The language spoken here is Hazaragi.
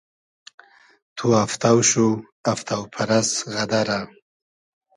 تو افتۆ شو , افتۆ پئرئس غئدئرۂ